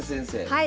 はい。